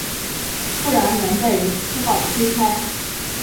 突然门被粗暴的推开